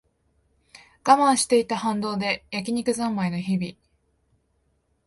我慢してた反動で焼き肉ざんまいの日々